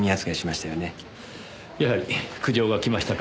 やはり苦情が来ましたか。